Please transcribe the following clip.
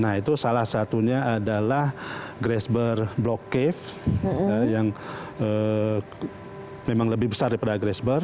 nah itu salah satunya adalah grasberg block cave yang memang lebih besar daripada grasberg